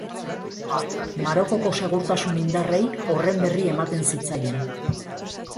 Marokoko segurtasun-indarrei horren berri ematen zitzaien.